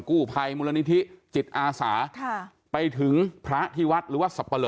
กู้ภัยมูลนิธิจิตอาสาค่ะไปถึงพระที่วัดหรือว่าสับปะเลอ